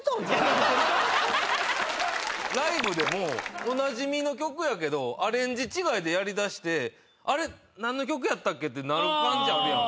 ライブでもおなじみの曲やけどアレンジ違いでやりだして「あれ？何の曲やったっけ？」ってなる感じあるやん。